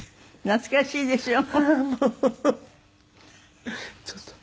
懐かしいですね。